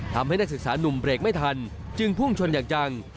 นักศึกษานุ่มเบรกไม่ทันจึงพุ่งชนอย่างจัง